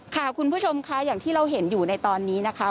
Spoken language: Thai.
คุณผู้ชมค่ะอย่างที่เราเห็นอยู่ในตอนนี้นะคะ